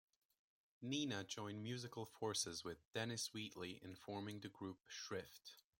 Nina joined musical forces with Dennis Wheatley in forming the group Shrift.